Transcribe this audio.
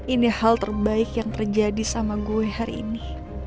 ini hal terbaik yang terjadi sama gue hari ini